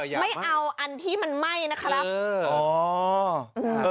ไม่เอาอันที่มันไหม้นะครับ